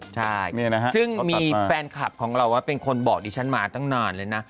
ใช่ซึ่งมีแฟนคลับของเราเป็นคนบอกดิฉันมาตั้งนานเลยนะ